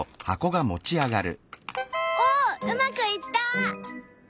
おっうまくいった！